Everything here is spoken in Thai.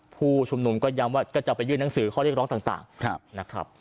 ผู้ชุมนุมก็ย้ำว่าก็จะไปยื่นหนังสือข้อเรียกร้องต่างนะครับ